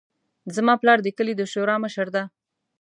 زما پلار د کلي د شورا مشر ده